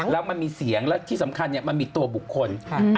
แล้วมันมีเสียงและที่สำคัญมันมีตัวบุคคล